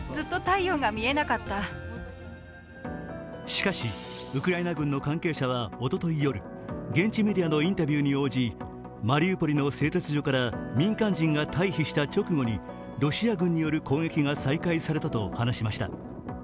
しかしウクライナ軍の関係者はおととい夜、現地メディアのインタビューに応じ、マリウポリの製鉄所から民間人が退避した直後にロシア軍による攻撃が再開されたと話しました。